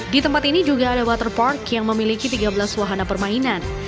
di tempat ini juga ada water park yang memiliki tiga belas suahana permainan